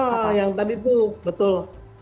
hal yang tadi tuh betul